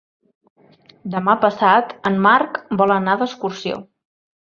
Demà passat en Marc vol anar d'excursió.